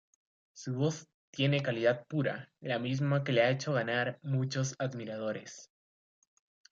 Su voz tiene calidad pura, la misma que le ha hecho ganar muchos admiradores.